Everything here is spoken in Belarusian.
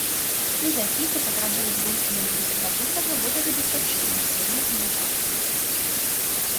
Мезафіты патрабуюць больш-менш бесперапыннага водазабеспячэння ў перыяд вегетацыі.